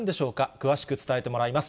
詳しく伝えてもらいます。